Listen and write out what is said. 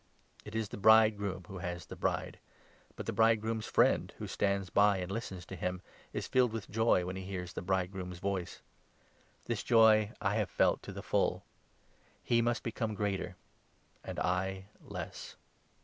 It is the bridegroom who has the bride ; but the 29 bridegroom's friend, who stands by and listens to him, is filled with joy when he hears the bridegroom's voice. This joy I have felt to the full. He must become greater, and 30 I less."